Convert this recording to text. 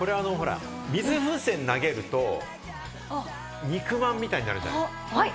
水風船を投げると、肉まんみたいになるじゃない。